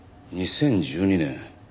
２０１２年。